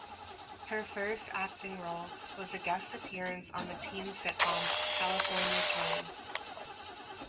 Her first acting role was a guest appearance on the teen sitcom "California Dreams".